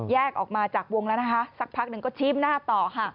ออกมาจากวงแล้วนะคะสักพักหนึ่งก็ชี้หน้าต่อค่ะ